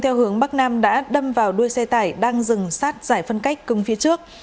theo hướng bắc nam đã đâm vào đuôi xe tải đang dừng sát giải phân cách cứng phía trước